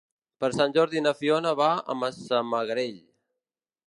Per Sant Jordi na Fiona va a Massamagrell.